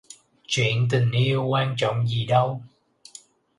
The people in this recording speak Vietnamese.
Chuyện tình yêu, quan trọng gì đâu: